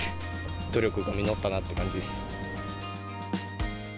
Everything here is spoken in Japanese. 努力が実ったなっていう感じ